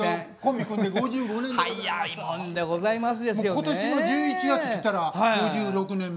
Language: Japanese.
今年の１１月来たら５６年目。